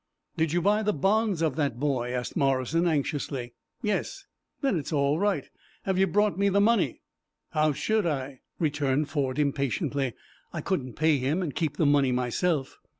"Did you buy the bonds of that boy?" asked Morrison, anxiously. "Yes." "Then it's all right. Have you brought me the money?" "How should I?" returned Ford, impatiently. "I couldn't pay him, and keep the money myself."